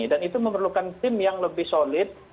dan itu memerlukan tim yang lebih solid